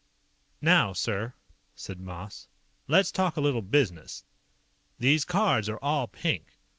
"Now, sir," said Moss. "Let's talk a little business. These cards are all pink.